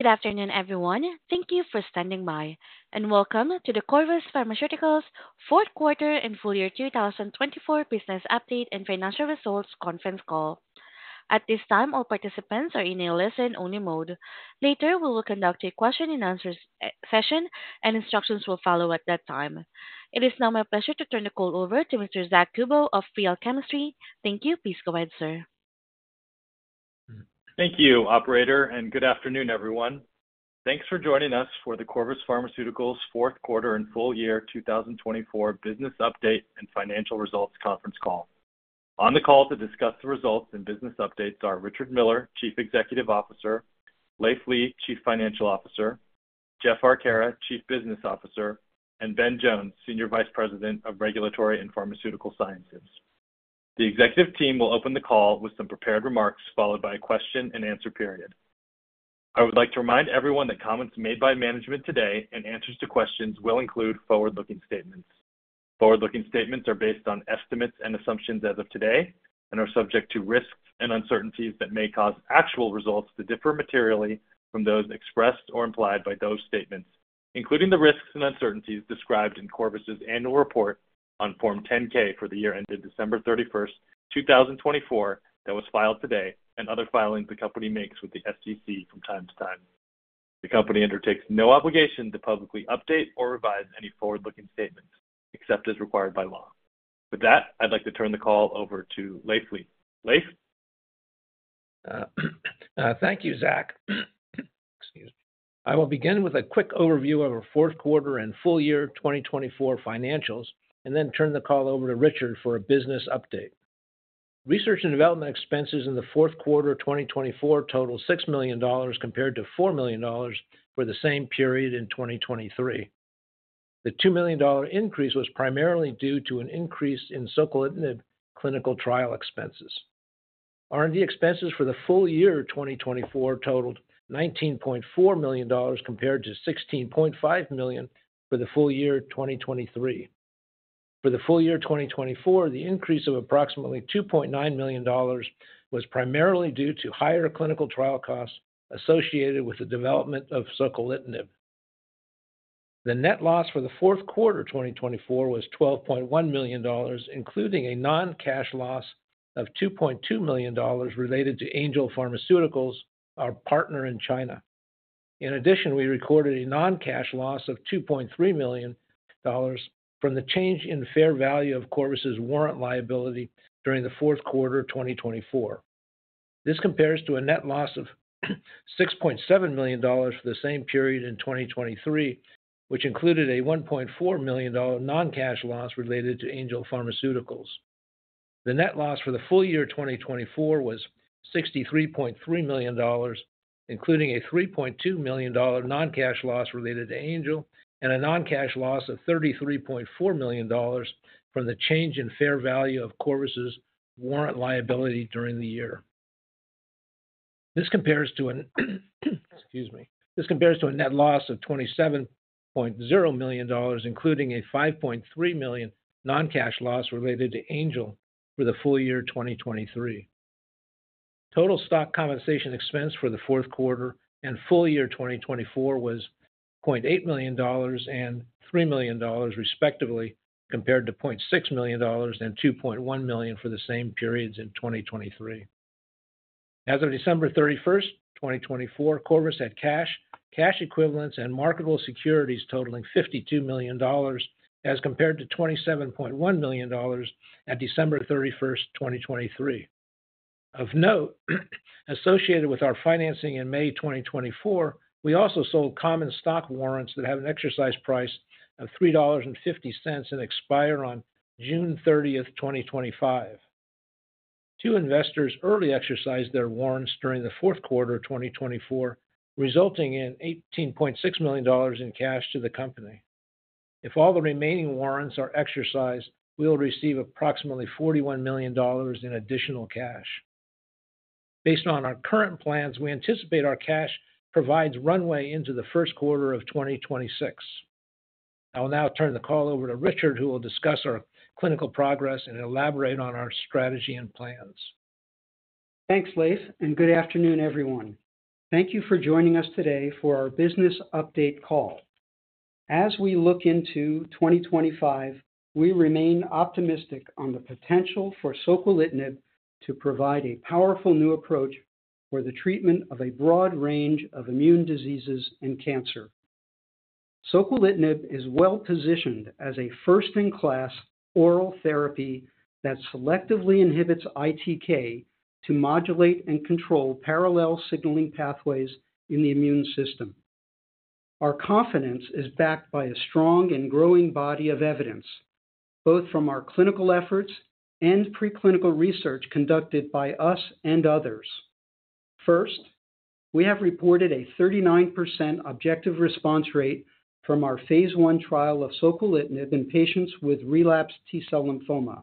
Good afternoon, everyone. Thank you for standing by, and welcome to the Corvus Pharmaceuticals Q4 and full year 2024 business update and financial results Conference Call. At this time, all participants are in a listen-only mode. Later, we will conduct a question-and-answer session, and instructions will follow at that time. It is now my pleasure to turn the call over to Mr. Zack Kubow of Real Chemistry. Thank you. Please go ahead, sir. Thank you, Operator, and good afternoon, everyone. Thanks for joining us for the Corvus Pharmaceuticals' Q4 and full year 2024 business update and financial results Conference Call. On the call to discuss the results and business updates are Richard Miller, Chief Executive Officer; Leiv Lea, Chief Financial Officer; Jeff Arcara, Chief Business Officer; and Ben Jones, Senior Vice President of Regulatory and Pharmaceutical Sciences. The executive team will open the call with some prepared remarks, followed by a question-and-answer period. I would like to remind everyone that comments made by management today and answers to questions will include forward-looking statements. Forward-looking statements are based on estimates and assumptions as of today and are subject to risks and uncertainties that may cause actual results to differ materially from those expressed or implied by those statements, including the risks and uncertainties described in Corvus' annual report on Form 10-K for the year ended December 31, 2024, that was filed today, and other filings the company makes with the SEC from time to time. The company undertakes no obligation to publicly update or revise any forward-looking statements, except as required by law. With that, I'd like to turn the call over to Leiv Lea. Leiv? Thank you, Zack. Excuse me. I will begin with a quick overview of our Q4 and full year 2024 financials and then turn the call over to Richard for a business update. Research and development expenses in the Q4 of 2024 total $6 million, compared to $4 million for the same period in 2023. The $2 million increase was primarily due to an increase in soquelitinib clinical trial expenses. R&D expenses for the full year 2024 totaled $19.4 million, compared to $16.5 million for the full year 2023. For the full year 2024, the increase of approximately $2.9 million was primarily due to higher clinical trial costs associated with the development of soquelitinib. The net loss for the Q4 2024 was $12.1 million, including a non-cash loss of $2.2 million related to Angel Pharmaceuticals, our partner in China. In addition, we recorded a non-cash loss of $2.3 million from the change in fair value of Corvus' warrant liability during the Q4 of 2024. This compares to a net loss of $6.7 million for the same period in 2023, which included a $1.4 million non-cash loss related to Angel Pharmaceuticals. The net loss for the full year 2024 was $63.3 million, including a $3.2 million non-cash loss related to Angel and a non-cash loss of $33.4 million from the change in fair value of Corvus' warrant liability during the year. This compares to a, excuse me, this compares to a net loss of $27.0 million, including a $5.3 million non-cash loss related to Angel for the full year 2023. Total stock compensation expense for the Q4 and full year 2024 was $0.8 million and $3 million, respectively, compared to $0.6 million and $2.1 million for the same periods in 2023. As of December 31, 2024, Corvus had cash, cash equivalents, and marketable securities totaling $52 million, as compared to $27.1 million at December 31, 2023. Of note, associated with our financing in May 2024, we also sold common stock warrants that have an exercise price of $3.50 and expire on June 30, 2025. Two investors early exercised their warrants during the Q4 of 2024, resulting in $18.6 million in cash to the company. If all the remaining warrants are exercised, we will receive approximately $41 million in additional cash. Based on our current plans, we anticipate our cash provides runway into the Q1 of 2026. I will now turn the call over to Richard, who will discuss our clinical progress and elaborate on our strategy and plans. Thanks, Leiv, and good afternoon, everyone. Thank you for joining us today for our business update call. As we look into 2025, we remain optimistic on the potential for soquelitinib to provide a powerful new approach for the treatment of a broad range of immune diseases and cancer. Soquelitinib is well-positioned as a first-in-class oral therapy that selectively inhibits ITK to modulate and control parallel signaling pathways in the immune system. Our confidence is backed by a strong and growing body of evidence, both from our clinical efforts and preclinical research conducted by us and others. First, we have reported a 39% objective response rate from our phase one trial of soquelitinib in patients with relapsed T-cell lymphoma.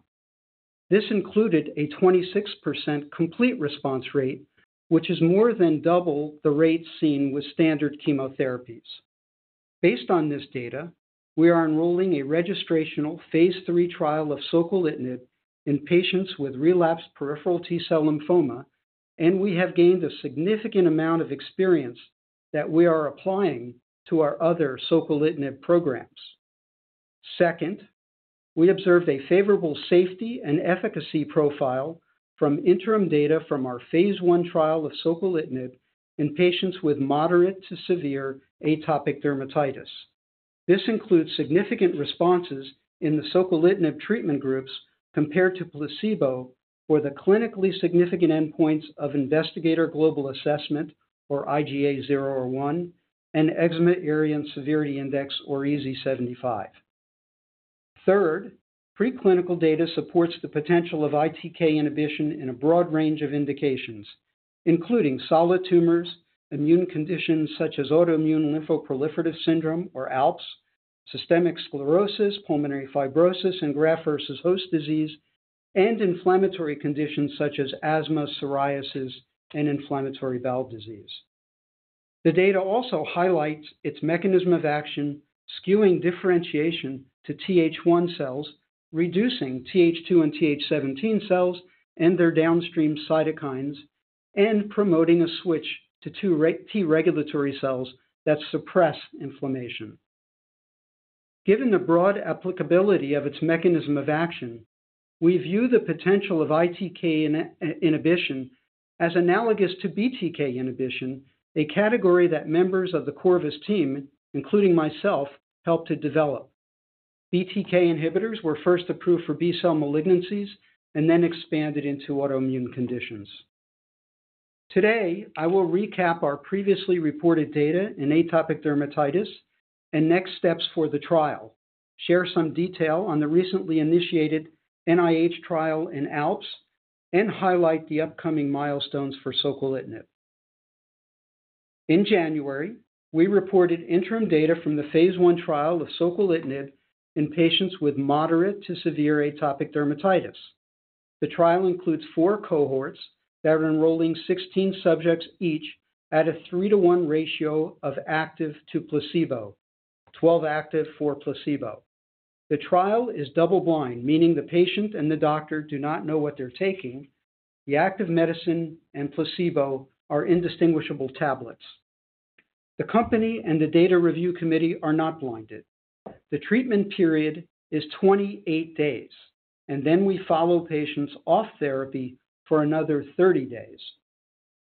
This included a 26% complete response rate, which is more than double the rate seen with standard chemotherapies. Based on this data, we are enrolling a registrational phase 3 trial of soquelitinib in patients with relapsed peripheral T-cell lymphoma, and we have gained a significant amount of experience that we are applying to our other soquelitinib programs. Second, we observed a favorable safety and efficacy profile from interim data from our phase 1 trial of soquelitinib in patients with moderate to severe atopic dermatitis. This includes significant responses in the soquelitinib treatment groups compared to placebo for the clinically significant endpoints of Investigator Global Assessment, or IGA-0/1, and Eczema Area and Severity Index, or EASI-75. Third, preclinical data supports the potential of ITK inhibition in a broad range of indications, including solid tumors, immune conditions such as autoimmune lymphoproliferative syndrome, or ALPS, systemic sclerosis, pulmonary fibrosis, and graft versus host disease, and inflammatory conditions such as asthma, psoriasis, and inflammatory bowel disease. The data also highlights its mechanism of action, skewing differentiation to Th1 cells, reducing Th2 and Th17 cells and their downstream cytokines, and promoting a switch to T regulatory cells that suppress inflammation. Given the broad applicability of its mechanism of action, we view the potential of ITK inhibition as analogous to BTK inhibition, a category that members of the Corvus team, including myself, helped to develop. BTK inhibitors were first approved for B-cell malignancies and then expanded into autoimmune conditions. Today, I will recap our previously reported data in atopic dermatitis and next steps for the trial, share some detail on the recently initiated NIH trial in ALPS, and highlight the upcoming milestones for soquelitinib. In January, we reported interim data from the phase one trial of soquelitinib in patients with moderate to severe atopic dermatitis. The trial includes four cohorts that are enrolling 16 subjects each at a three-to-one ratio of active to placebo, 12 active four placebo. The trial is double-blind, meaning the patient and the doctor do not know what they're taking. The active medicine and placebo are indistinguishable tablets. The company and the data review committee are not blinded. The treatment period is 28 days, and then we follow patients off therapy for another 30 days.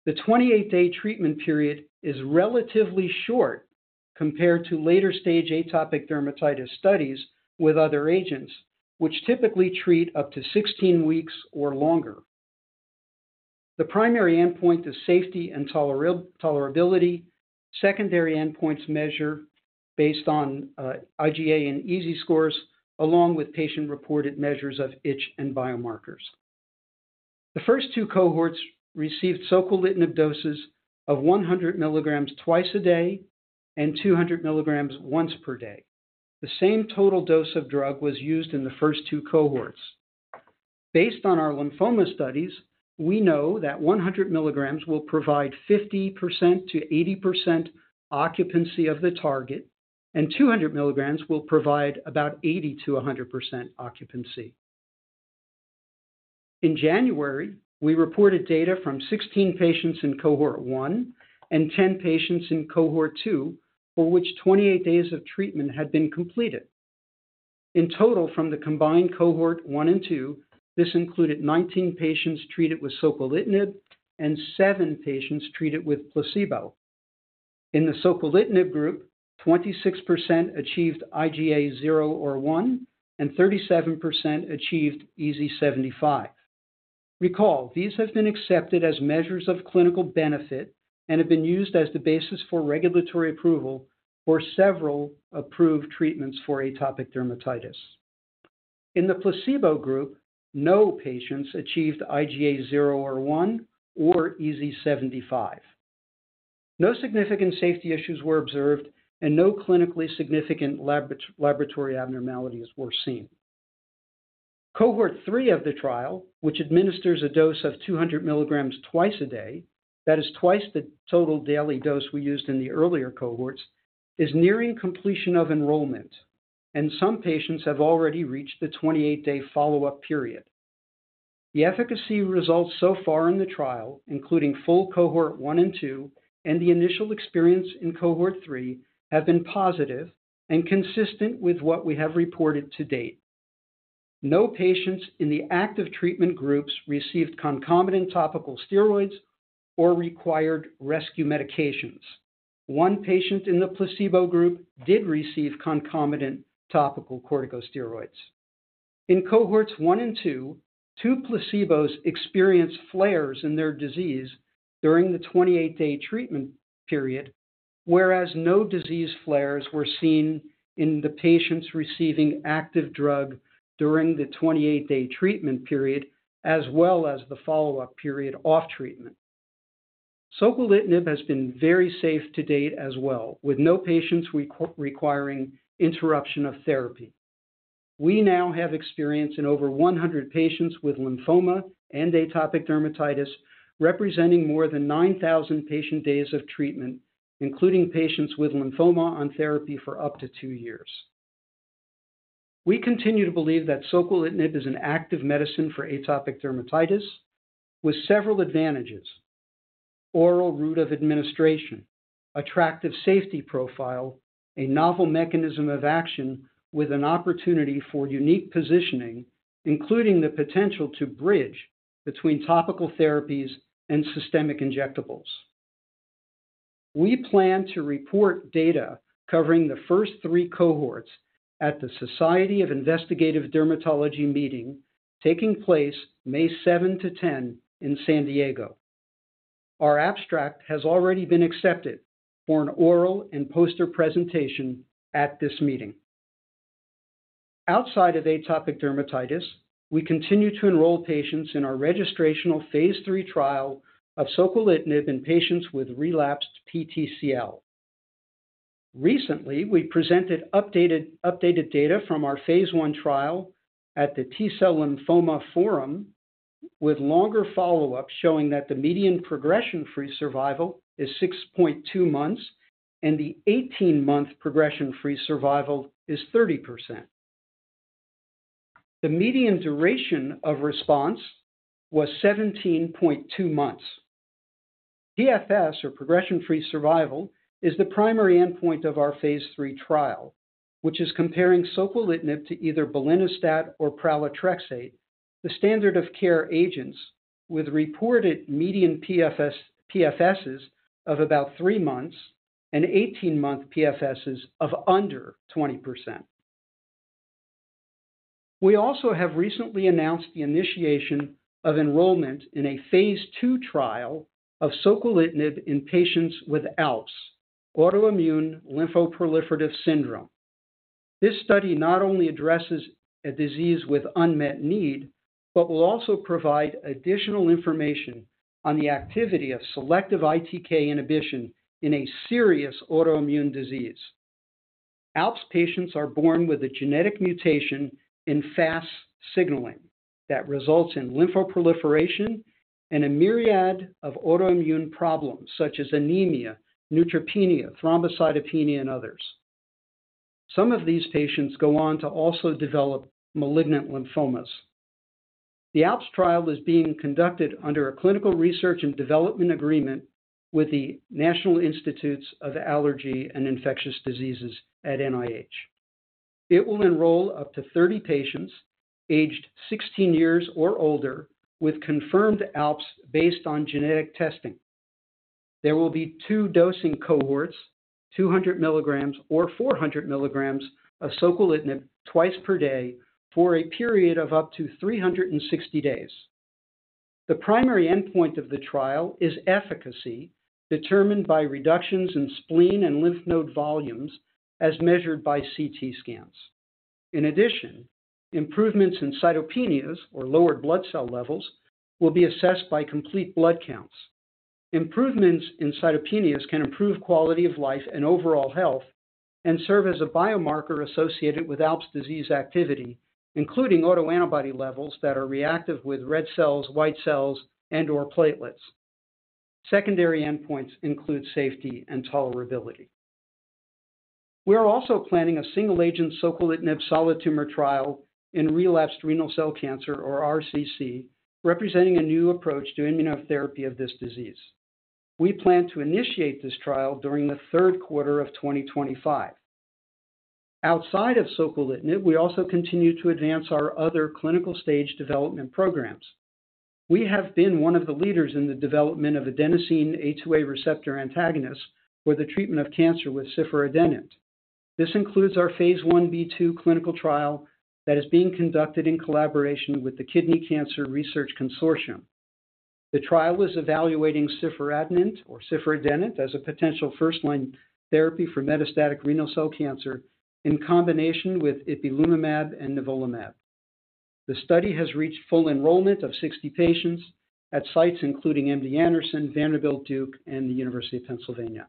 The 28-day treatment period is relatively short compared to later-stage atopic dermatitis studies with other agents, which typically treat up to 16 weeks or longer. The primary endpoint is safety and tolerability. Secondary endpoints measure based on IGA and EASI scores, along with patient-reported measures of itch and biomarkers. The first two cohorts received soquelitinib doses of 100 milligrams twice a day and 200 milligrams once per day. The same total dose of drug was used in the first two cohorts. Based on our lymphoma studies, we know that 100 milligrams will provide 50%-80% occupancy of the target, and 200 milligrams will provide about 80%-100% occupancy. In January, we reported data from 16 patients in cohort one and 10 patients in cohort two, for which 28 days of treatment had been completed. In total, from the combined cohort one and two, this included 19 patients treated with soquelitinib and seven patients treated with placebo. In the soquelitinib group, 26% achieved IGA-0/1, and 37% achieved EASI-75. Recall, these have been accepted as measures of clinical benefit and have been used as the basis for regulatory approval for several approved treatments for atopic dermatitis. In the placebo group, no patients achieved IGA-0/1 or EASI-75. No significant safety issues were observed, and no clinically significant laboratory abnormalities were seen. Cohort three of the trial, which administers a dose of 200 milligrams twice a day, that is twice the total daily dose we used in the earlier cohorts, is nearing completion of enrollment, and some patients have already reached the 28-day follow-up period. The efficacy results so far in the trial, including full cohort one and two and the initial experience in cohort three, have been positive and consistent with what we have reported to date. No patients in the active treatment groups received concomitant topical steroids or required rescue medications. One patient in the placebo group did receive concomitant topical corticosteroids. In cohorts one and two, two placebos experienced flares in their disease during the 28-day treatment period, whereas no disease flares were seen in the patients receiving active drug during the 28-day treatment period, as well as the follow-up period off treatment. Soquelitinib has been very safe to date as well, with no patients requiring interruption of therapy. We now have experience in over 100 patients with lymphoma and atopic dermatitis, representing more than 9,000 patient days of treatment, including patients with lymphoma on therapy for up to two years. We continue to believe that soquelitinib is an active medicine for atopic dermatitis, with several advantages: oral route of administration, attractive safety profile, a novel mechanism of action with an opportunity for unique positioning, including the potential to bridge between topical therapies and systemic injectables. We plan to report data covering the first three cohorts at the Society for Investigative Dermatology meeting taking place May 7 to 10 in San Diego. Our abstract has already been accepted for an oral and poster presentation at this meeting. Outside of atopic dermatitis, we continue to enroll patients in our registrational phase three trial of soquelitinib in patients with relapsed PTCL. Recently, we presented updated data from our phase one trial at the T-cell lymphoma forum, with longer follow-up showing that the median progression-free survival is 6.2 months and the 18-month progression-free survival is 30%. The median duration of response was 17.2 months. PFS, or progression-free survival, is the primary endpoint of our phase three trial, which is comparing soquelitinib to either belinostat or pralatrexate, the standard of care agents, with reported median PFSs of about three months and 18-month PFSs of under 20%. We also have recently announced the initiation of enrollment in a phase two trial of soquelitinib in patients with ALPS, autoimmune lymphoproliferative syndrome. This study not only addresses a disease with unmet need, but will also provide additional information on the activity of selective ITK inhibition in a serious autoimmune disease. ALPS patients are born with a genetic mutation in FAS signaling that results in lymphoproliferation and a myriad of autoimmune problems such as anemia, neutropenia, thrombocytopenia, and others. Some of these patients go on to also develop malignant lymphomas. The ALPS trial is being conducted under a clinical research and development agreement with the National Institute of Allergy and Infectious Diseases at NIH. It will enroll up to 30 patients aged 16 years or older with confirmed ALPS based on genetic testing. There will be two dosing cohorts, 200 milligrams or 400 milligrams of soquelitinib twice per day for a period of up to 360 days. The primary endpoint of the trial is efficacy, determined by reductions in spleen and lymph node volumes as measured by CT scans. In addition, improvements in cytopenias, or lowered blood cell levels, will be assessed by complete blood counts. Improvements in cytopenias can improve quality of life and overall health and serve as a biomarker associated with ALPS disease activity, including autoantibody levels that are reactive with red cells, white cells, and/or platelets. Secondary endpoints include safety and tolerability. We are also planning a single-agent soquelitinib solid tumor trial in relapsed renal cell cancer, or RCC, representing a new approach to immunotherapy of this disease. We plan to initiate this trial during the Q3 of 2025. Outside of soquelitinib, we also continue to advance our other clinical stage development programs. We have been one of the leaders in the development of adenosine A2A receptor antagonists for the treatment of cancer with ciforadenant. This includes our Phase 1b/2 clinical trial that is being conducted in collaboration with the Kidney Cancer Research Consortium. The trial is evaluating ciforadenant, or ciforadenant, as a potential first-line therapy for metastatic renal cell cancer in combination with ipilimumab and nivolumab. The study has reached full enrollment of 60 patients at sites, including MD Anderson, Vanderbilt, Duke, and the University of Pennsylvania.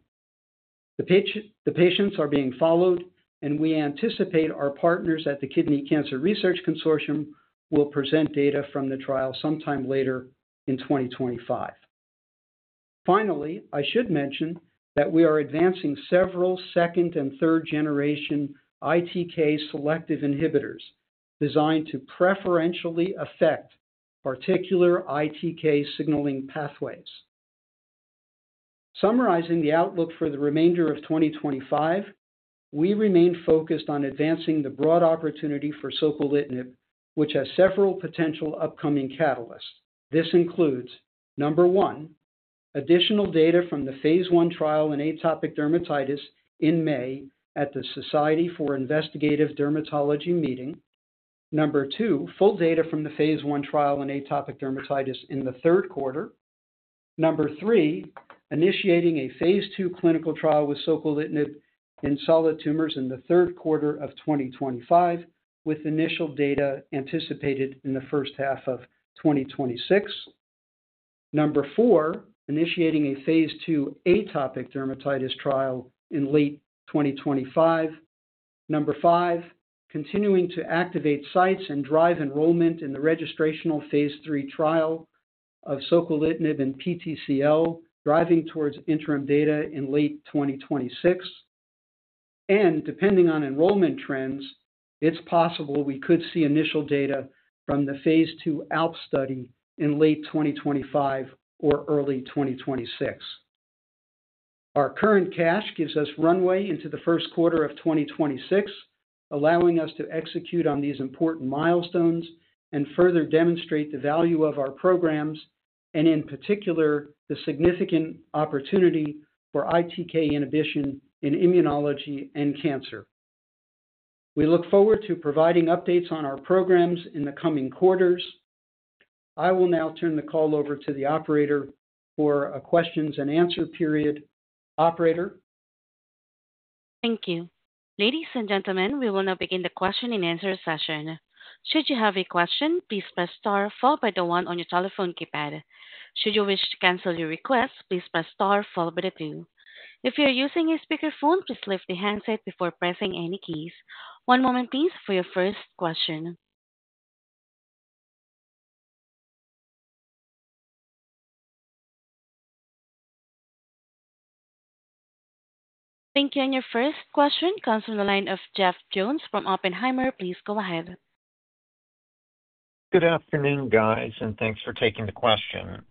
The patients are being followed, and we anticipate our partners at the Kidney Cancer Research Consortium will present data from the trial sometime later in 2025. Finally, I should mention that we are advancing several second and third-generation ITK selective inhibitors designed to preferentially affect particular ITK signaling pathways. Summarizing the outlook for the remainder of 2025, we remain focused on advancing the broad opportunity for soquelitinib, which has several potential upcoming catalysts. This includes, number one, additional data from the phase one trial in atopic dermatitis in May at the Society for Investigative Dermatology meeting. Number two, full data from the phase one trial in atopic dermatitis in the Q3. Number three, initiating a phase two clinical trial with soquelitinib in solid tumors in the Q3 of 2025, with initial data anticipated in the first half of 2026. Number four, initiating a phase two atopic dermatitis trial in late 2025. Number five, continuing to activate sites and drive enrollment in the registrational phase three trial of soquelitinib in PTCL, driving towards interim data in late 2026. Depending on enrollment trends, it's possible we could see initial data from the phase two ALPS study in late 2025 or early 2026. Our current cash gives us runway into the Q1 of 2026, allowing us to execute on these important milestones and further demonstrate the value of our programs, and in particular, the significant opportunity for ITK inhibition in immunology and cancer. We look forward to providing updates on our programs in the coming quarters. I will now turn the call over to the operator for a question and answer period. Operator. Thank you. Ladies and gentlemen, we will now begin the question and answer session. Should you have a question, please press star followed by the one on your telephone keypad. Should you wish to cancel your request, please press star followed by the two. If you're using a speakerphone, please lift the handset before pressing any keys. One moment, please, for your first question. Thank you. Your first question comes from the line of Jeff Jones from Oppenheimer. Please go ahead. Good afternoon, guys, and thanks for taking the question.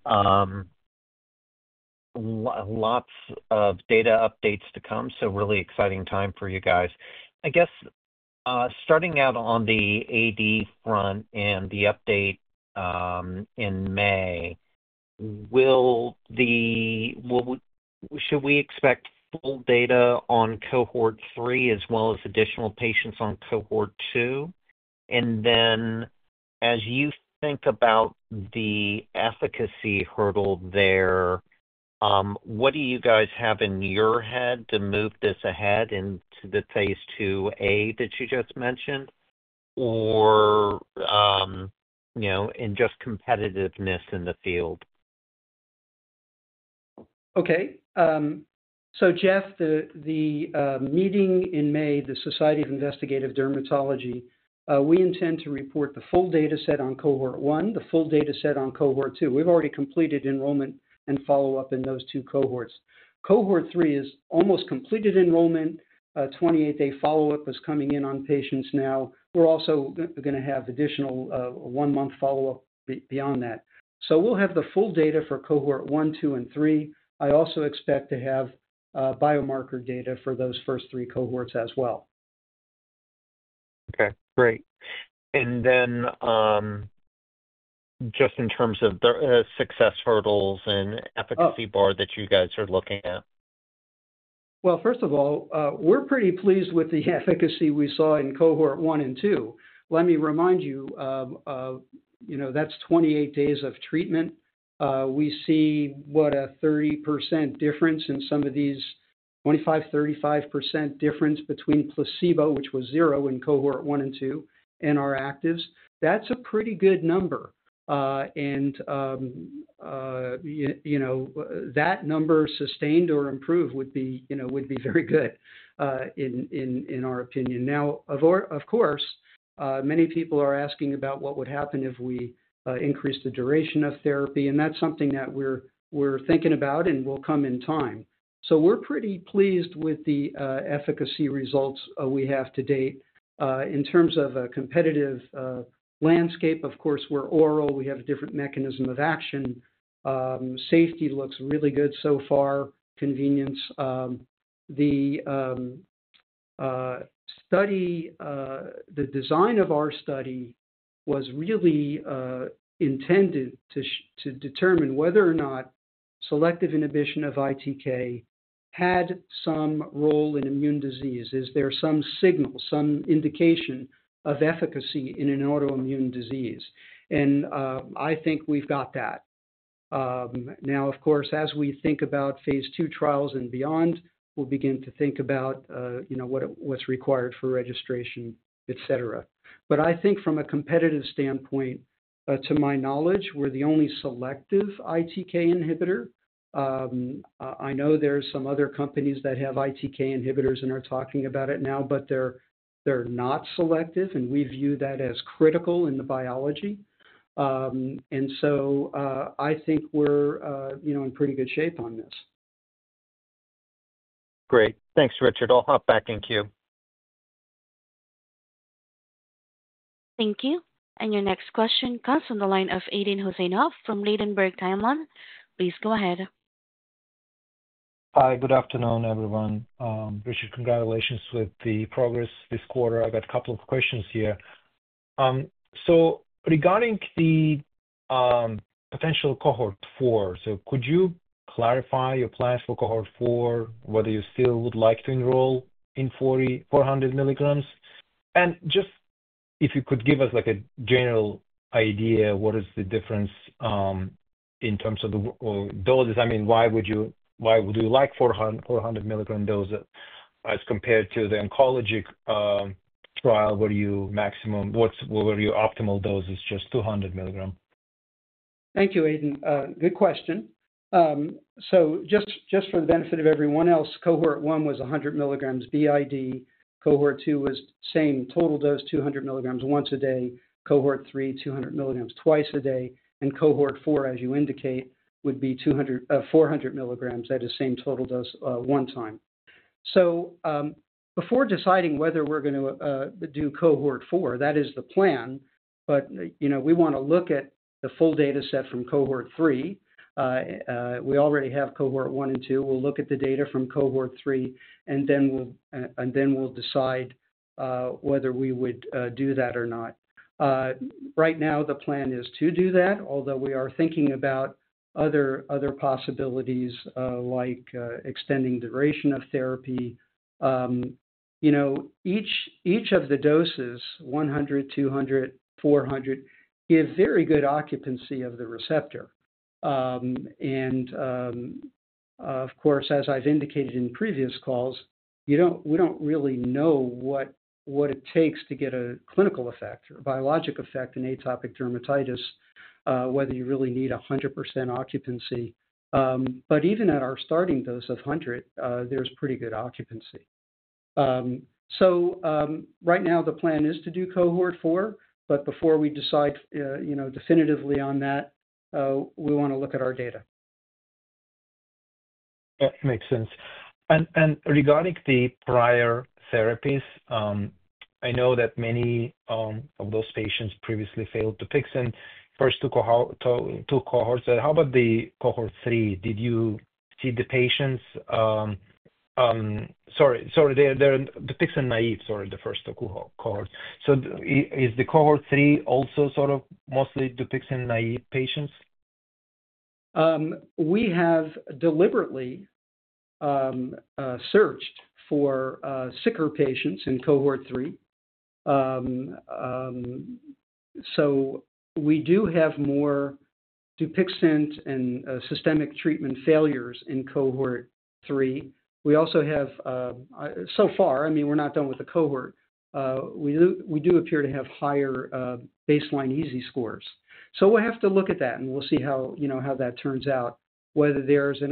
Lots of data updates to come, so really exciting time for you guys. I guess starting out on the AD front and the update in May, should we expect full data on cohort three as well as additional patients on cohort two? As you think about the efficacy hurdle there, what do you guys have in your head to move this ahead into the phase 2A that you just mentioned, or in just competitiveness in the field? Okay. Jeff, the meeting in May, the Society of Investigative Dermatology, we intend to report the full dataset on cohort one, the full dataset on cohort two. We've already completed enrollment and follow-up in those two cohorts. Cohort three is almost completed enrollment. Twenty-eight-day follow-up is coming in on patients now. We're also going to have additional one-month follow-up beyond that. We will have the full data for cohort one, two, and three. I also expect to have biomarker data for those first three cohorts as well. Okay. Great. And then just in terms of the success hurdles and efficacy bar that you guys are looking at. First of all, we're pretty pleased with the efficacy we saw in cohort one and two. Let me remind you, that's 28 days of treatment. We see what a 30% difference in some of these, 25-35% difference between placebo, which was zero in cohort one and two, and our actives. That's a pretty good number. That number sustained or improved would be very good, in our opinion. Of course, many people are asking about what would happen if we increase the duration of therapy. That's something that we're thinking about, and will come in time. We're pretty pleased with the efficacy results we have to date. In terms of a competitive landscape, of course, we're oral. We have a different mechanism of action. Safety looks really good so far. Convenience. The design of our study was really intended to determine whether or not selective inhibition of ITK had some role in immune disease. Is there some signal, some indication of efficacy in an autoimmune disease? I think we've got that. Now, of course, as we think about phase two trials and beyond, we'll begin to think about what's required for registration, etc. I think from a competitive standpoint, to my knowledge, we're the only selective ITK inhibitor. I know there are some other companies that have ITK inhibitors and are talking about it now, but they're not selective, and we view that as critical in the biology. I think we're in pretty good shape on this. Great. Thanks, Richard. I'll hop back in queue. Thank you. Your next question comes from the line of Aydin Huseynov from Ladenburg Thalmann. Please go ahead. Hi. Good afternoon, everyone. Richard, congratulations with the progress this quarter. I've got a couple of questions here. Regarding the potential cohort four, could you clarify your plans for cohort four, whether you still would like to enroll in 400 milligrams? If you could give us a general idea, what is the difference in terms of the doses? I mean, why would you like 400 milligram doses as compared to the oncology trial where your optimal dose is just 200 milligram? Thank you, Aydin. Good question. Just for the benefit of everyone else, cohort one was 100 milligrams b.i.d. Cohort two was same total dose, 200 milligrams once a day. Cohort three, 200 milligrams twice a day. Cohort four, as you indicate, would be 400 milligrams. That is same total dose one time. Before deciding whether we're going to do cohort four, that is the plan, but we want to look at the full dataset from cohort three. We already have cohort one and two. We'll look at the data from cohort three, and then we'll decide whether we would do that or not. Right now, the plan is to do that, although we are thinking about other possibilities like extending duration of therapy. Each of the doses, 100, 200, 400, give very good occupancy of the receptor. Of course, as I've indicated in previous calls, we don't really know what it takes to get a clinical effect or biologic effect in atopic dermatitis, whether you really need 100% occupancy. Even at our starting dose of 100, there's pretty good occupancy. Right now, the plan is to do cohort four, but before we decide definitively on that, we want to look at our data. That makes sense. Regarding the prior therapies, I know that many of those patients previously failed Dupixent, first took cohorts. How about the cohort three? Did you see the patients? Sorry, the Dupixent naive, sorry, the first cohort. Is the cohort three also sort of mostly Dupixent naive patients? We have deliberately searched for sicker patients in cohort three. We do have more Dupixent and systemic treatment failures in cohort three. We also have, so far, I mean, we're not done with the cohort. We do appear to have higher baseline EASI scores. We will have to look at that, and we will see how that turns out. Whether there is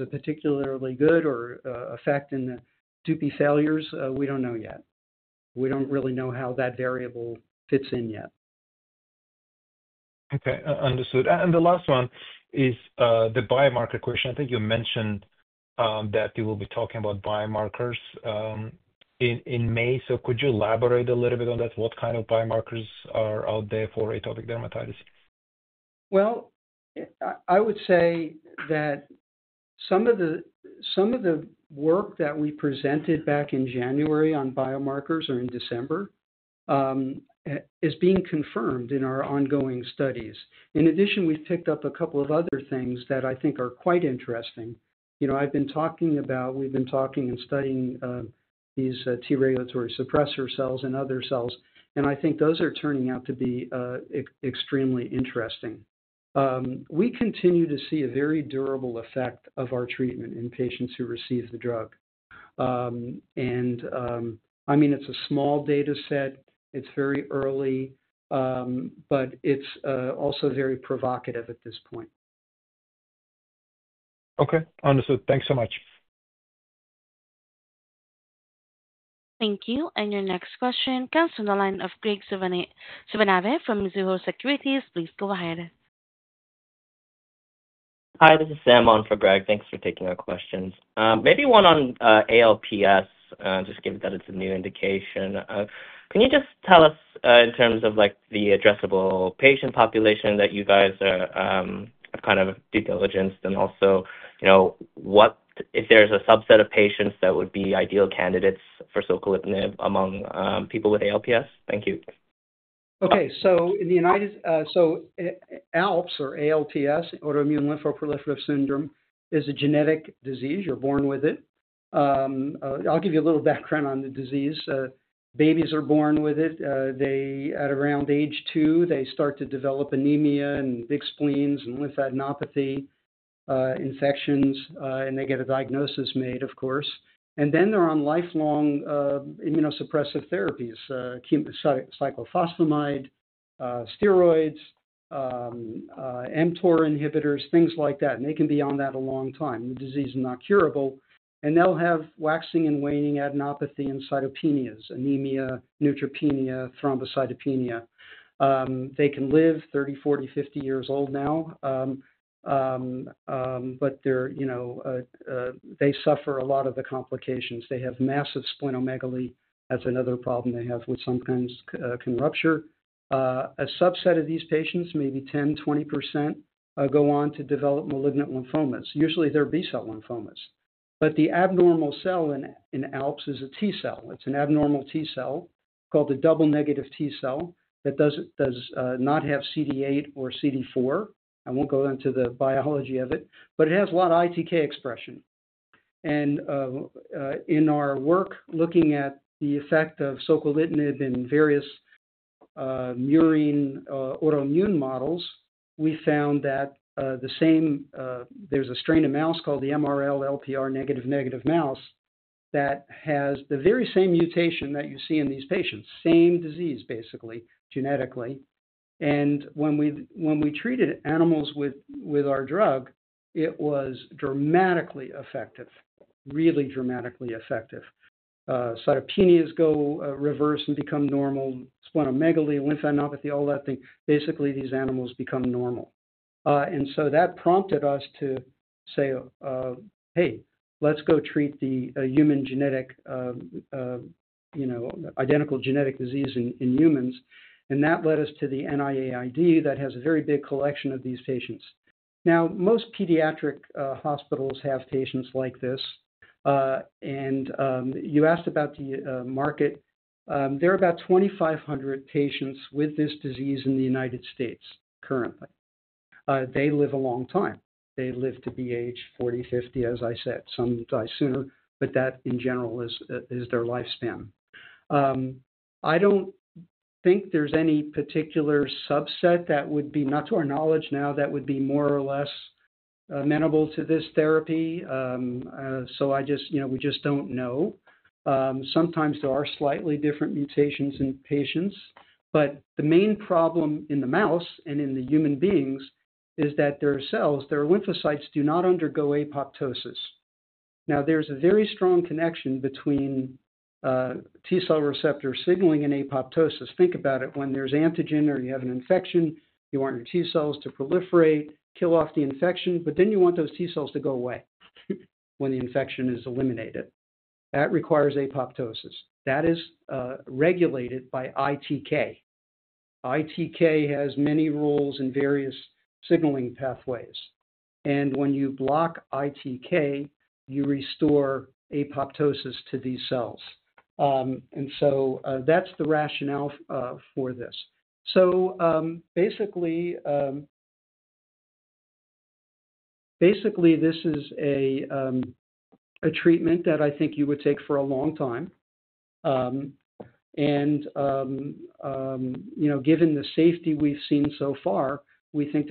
a particularly good effect in the Dupixent failures, we do not know yet. We do not really know how that variable fits in yet. Okay. Understood. The last one is the biomarker question. I think you mentioned that you will be talking about biomarkers in May. Could you elaborate a little bit on that? What kind of biomarkers are out there for atopic dermatitis? I would say that some of the work that we presented back in January on biomarkers or in December is being confirmed in our ongoing studies. In addition, we've picked up a couple of other things that I think are quite interesting. I've been talking about, we've been talking and studying these T regulatory suppressor cells and other cells, and I think those are turning out to be extremely interesting. We continue to see a very durable effect of our treatment in patients who receive the drug. I mean, it's a small dataset. It's very early, but it's also very provocative at this point. Okay. Understood. Thanks so much. Thank you. Your next question comes from the line of Graig Suvannavejh from Mizuho Securities. Please go ahead. Hi. This is Sam on for Graig. Thanks for taking our questions. Maybe one on ALPS, just given that it's a new indication. Can you just tell us in terms of the addressable patient population that you guys are kind of due diligence and also if there's a subset of patients that would be ideal candidates for soquelitinib among people with ALPS? Thank you. Okay. ALPS, or autoimmune lymphoproliferative syndrome, is a genetic disease. You're born with it. I'll give you a little background on the disease. Babies are born with it. At around age two, they start to develop anemia and big spleens and lymphadenopathy infections, and they get a diagnosis made, of course. They're on lifelong immunosuppressive therapies, cyclophosphamide, steroids, mTOR inhibitors, things like that. They can be on that a long time. The disease is not curable. They'll have waxing and waning adenopathy and cytopenias, anemia, neutropenia, thrombocytopenia. They can live 30, 40, 50 years old now, but they suffer a lot of the complications. They have massive splenomegaly as another problem they have which sometimes can rupture. A subset of these patients, maybe 10-20%, go on to develop malignant lymphomas. Usually, they're B-cell lymphomas. The abnormal cell in ALPS is a T-cell. It's an abnormal T-cell called a double negative T-cell that does not have CD8 or CD4. I won't go into the biology of it, but it has a lot of ITK expression. In our work looking at the effect of soquelitinib in various murine autoimmune models, we found that there's a strain of mouse called the MRL LPR negative negative mouse that has the very same mutation that you see in these patients. Same disease, basically, genetically. When we treated animals with our drug, it was dramatically effective, really dramatically effective. Cytopenias go reverse and become normal. Splenomegaly, lymphadenopathy, all that thing. Basically, these animals become normal. That prompted us to say, "Hey, let's go treat the human identical genetic disease in humans." That led us to the NIAID that has a very big collection of these patients. Most pediatric hospitals have patients like this. You asked about the market. There are about 2,500 patients with this disease in the United States currently. They live a long time. They live to be aged 40, 50, as I said. Some die sooner, but that, in general, is their lifespan. I don't think there's any particular subset that would be, not to our knowledge now, that would be more or less amenable to this therapy. We just don't know. Sometimes there are slightly different mutations in patients. The main problem in the mouse and in the human beings is that their cells, their lymphocytes, do not undergo apoptosis. Now, there is a very strong connection between T-cell receptor signaling and apoptosis. Think about it. When there is antigen or you have an infection, you want your T-cells to proliferate, kill off the infection, but then you want those T-cells to go away when the infection is eliminated. That requires apoptosis. That is regulated by ITK. ITK has many roles in various signaling pathways. When you block ITK, you restore apoptosis to these cells. That is the rationale for this. Basically, this is a treatment that I think you would take for a long time. Given the safety we have seen so far, we think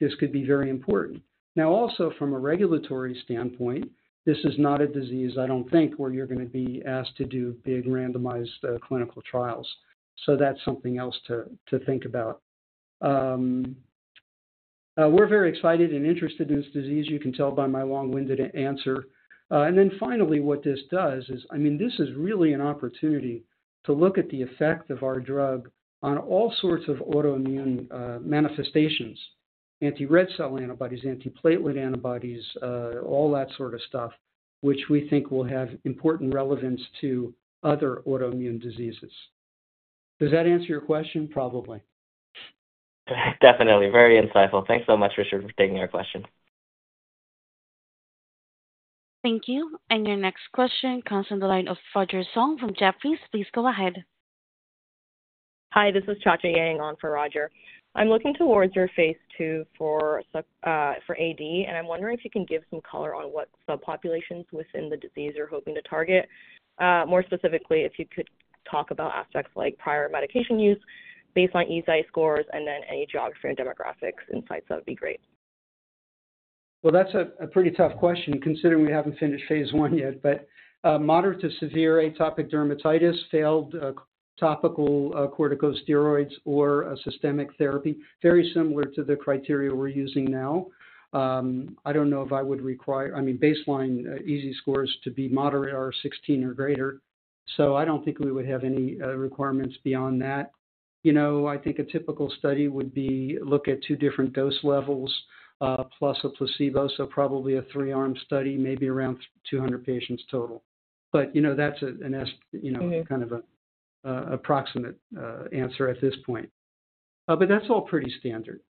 this could be very important. Now, also from a regulatory standpoint, this is not a disease, I do not think, where you are going to be asked to do big randomized clinical trials. That is something else to think about. We are very excited and interested in this disease. You can tell by my long-winded answer. Finally, what this does is, I mean, this is really an opportunity to look at the effect of our drug on all sorts of autoimmune manifestations: anti-red cell antibodies, anti-platelet antibodies, all that sort of stuff, which we think will have important relevance to other autoimmune diseases. Does that answer your question? Probably. Definitely. Very insightful. Thanks so much, Richard, for taking our question. Thank you. Your next question comes from the line of Roger Song from Jefferies. Please go ahead. Hi. This is Chacha Yang on for Roger. I'm looking towards your phase two for AD, and I'm wondering if you can give some color on what subpopulations within the disease you're hoping to target. More specifically, if you could talk about aspects like prior medication use, baseline EASI scores, and then any geography and demographics insights, that would be great. That's a pretty tough question considering we haven't finished phase one yet, but moderate to severe atopic dermatitis, failed topical corticosteroids, or systemic therapy, very similar to the criteria we're using now. I don't know if I would require, I mean, baseline EASI scores to be moderate or 16 or greater. I don't think we would have any requirements beyond that. I think a typical study would be look at two different dose levels plus a placebo, so probably a three-arm study, maybe around 200 patients total. That is kind of an approximate answer at this point. That is all pretty standard.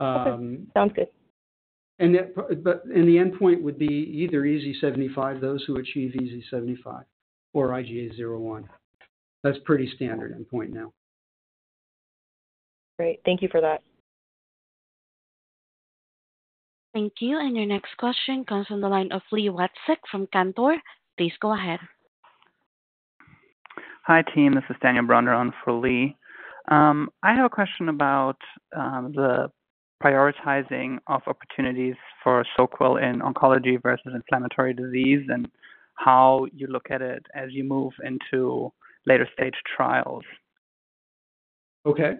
Okay. Sounds good. The endpoint would be either EASI-75, those who achieve EASI-75, or IGA-0/1. That is a pretty standard endpoint now. Great. Thank you for that. Thank you. Your next question comes from the line of Li Watsek from Cantor. Please go ahead. Hi, team. This is Daniel Brander on for Li. I have a question about the prioritizing of opportunities for soquelitinib in oncology versus inflammatory disease and how you look at it as you move into later stage trials. Okay.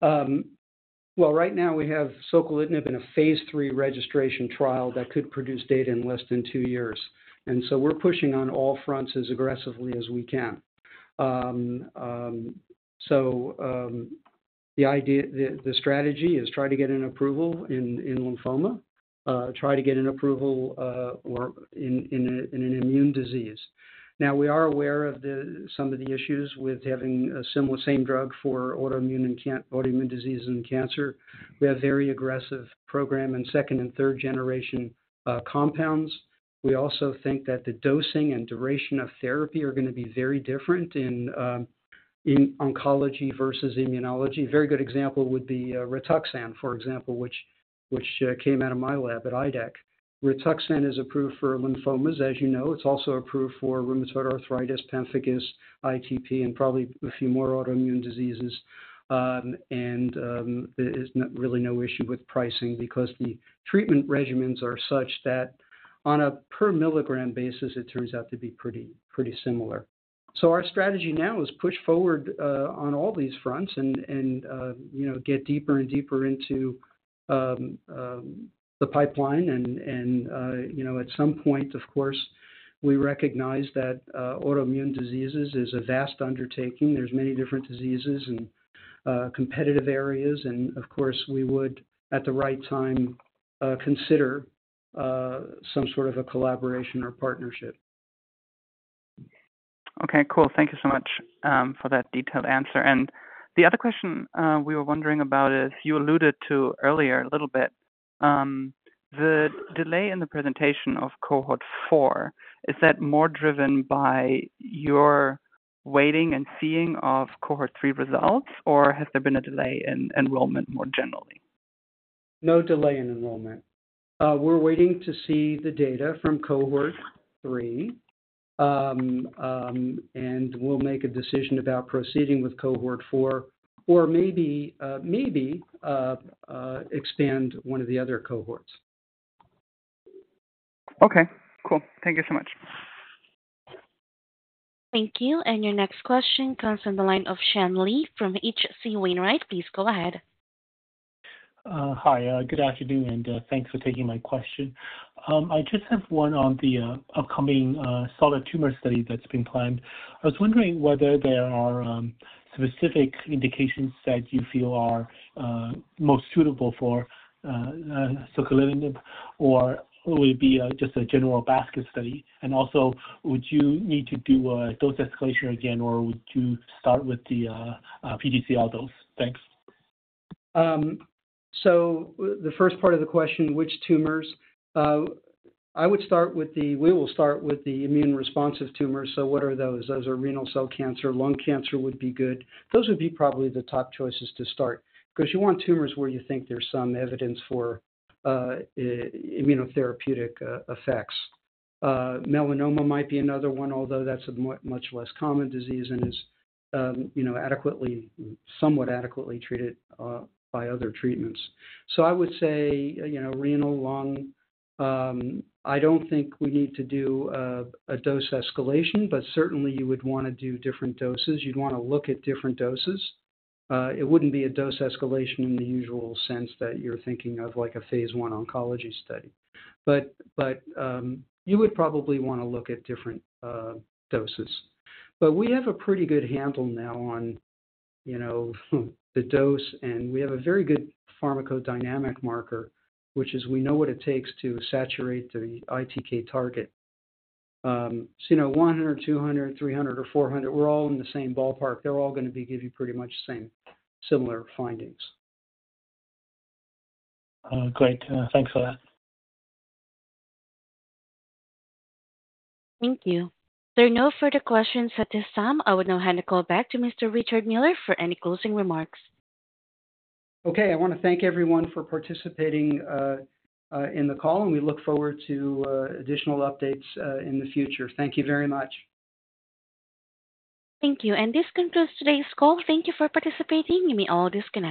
Right now, we have soquelitinib in a phase 3 registration trial that could produce data in less than two years. We are pushing on all fronts as aggressively as we can. The strategy is try to get an approval in lymphoma, try to get an approval in an immune disease. Now, we are aware of some of the issues with having the same drug for autoimmune disease and cancer. We have a very aggressive program in second and third-generation compounds. We also think that the dosing and duration of therapy are going to be very different in oncology versus immunology. A very good example would be Rituxan, for example, which came out of my lab at IDEC. Rituxan is approved for lymphomas, as you know. It's also approved for rheumatoid arthritis, pemphigus, ITP, and probably a few more autoimmune diseases. There's really no issue with pricing because the treatment regimens are such that on a per-milligram basis, it turns out to be pretty similar. Our strategy now is push forward on all these fronts and get deeper and deeper into the pipeline. At some point, of course, we recognize that autoimmune diseases is a vast undertaking. There are many different diseases and competitive areas. Of course, we would, at the right time, consider some sort of a collaboration or partnership. Okay. Cool. Thank you so much for that detailed answer. The other question we were wondering about is you alluded to earlier a little bit. The delay in the presentation of cohort four, is that more driven by your waiting and seeing of cohort three results, or has there been a delay in enrollment more generally? No delay in enrollment. We are waiting to see the data from cohort three, and we will make a decision about proceeding with cohort four or maybe expand one of the other cohorts. Okay. Cool. Thank you so much. Thank you. Your next question comes from the line of Sean Lee from H.C. Wainwright. Please go ahead. Hi. Good afternoon, and thanks for taking my question. I just have one on the upcoming solid tumor study that's been planned. I was wondering whether there are specific indications that you feel are most suitable for soquelitinib, or would it be just a general basket study? Also, would you need to do a dose escalation again, or would you start with the PTCL dose? Thanks. The first part of the question, which tumors? I would start with the we will start with the immune-responsive tumors. What are those? Those are renal cell cancer. Lung cancer would be good. Those would be probably the top choices to start because you want tumors where you think there's some evidence for immunotherapeutic effects. Melanoma might be another one, although that's a much less common disease and is somewhat adequately treated by other treatments. I would say renal, lung. I don't think we need to do a dose escalation, but certainly, you would want to do different doses. You'd want to look at different doses. It wouldn't be a dose escalation in the usual sense that you're thinking of like a phase one oncology study. You would probably want to look at different doses. We have a pretty good handle now on the dose, and we have a very good pharmacodynamic marker, which is we know what it takes to saturate the ITK target. 100, 200, 300, or 400, we're all in the same ballpark. They're all going to give you pretty much similar findings. Great. Thanks for that. Thank you. If there are no further questions at this time, I would now hand the call back to Mr. Richard Miller for any closing remarks. Okay. I want to thank everyone for participating in the call, and we look forward to additional updates in the future. Thank you very much. Thank you. This concludes today's call. Thank you for participating. You may all disconnect.